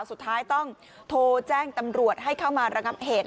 สุดท้ายต้องโทรแจ้งตำรวจให้เข้ามาระงับเหตุ